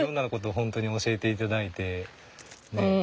本当に教えて頂いてねえ